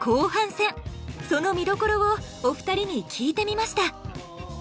その見どころをお二人に聞いてみました。